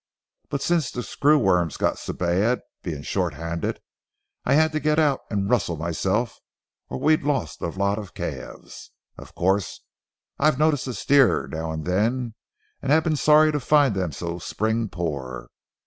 But since the screw worms got so bad, being short handed, I had to get out and rustle myself or we'd lost a lot of calves. Of course, I have noticed a steer now and then, and have been sorry to find them so spring poor.